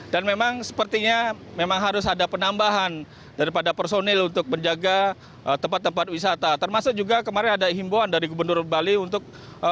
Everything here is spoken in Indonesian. dan memang sepertinya memang harus ada penambahan daripada personil untuk menjaga tempat tempat wisata termasuk juga kemarin ada himboan dari gubernur bali untuk